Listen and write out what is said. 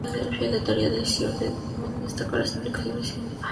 La teoría del iceberg de Hemingway destaca las implicaciones simbólicas del arte.